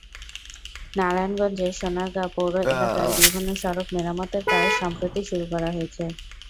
নারায়ণগঞ্জের সোনারগাঁ পৌর এলাকার বিভিন্ন সড়ক মেরামতের কাজ সম্প্রতি শুরু করা হয়েছে।